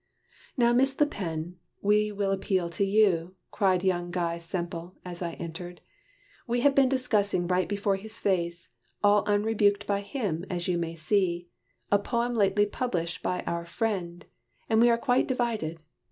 "Now Miss La Pelle, we will appeal to you," Cried young Guy Semple, as I entered. "We Have been discussing right before his face, All unrebuked by him, as you may see, A poem lately published by our friend: And we are quite divided.